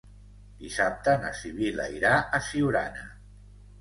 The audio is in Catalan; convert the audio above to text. Dissabte na Sibil·la irà a Siurana.